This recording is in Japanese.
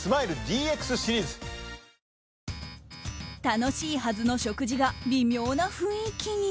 楽しいはずの食事が微妙な雰囲気に。